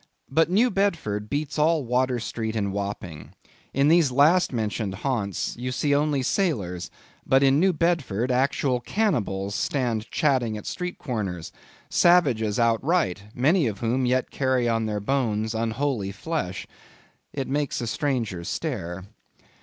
But New Bedford beats all Water Street and Wapping. In these last mentioned haunts you see only sailors; but in New Bedford, actual cannibals stand chatting at street corners; savages outright; many of whom yet carry on their bones unholy flesh. It makes a stranger stare.